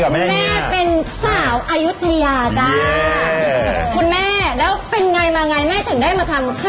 แม่แม่เป็นสาวอายุทยาจ้าคุณแม่แล้วเป็นไงมาไงแม่ถึงได้มาทำ